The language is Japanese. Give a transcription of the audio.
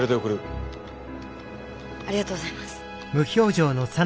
ありがとうございます。